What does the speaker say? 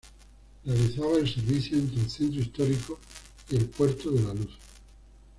Realizaba el servicio entre el centro histórico y el puerto de La Luz.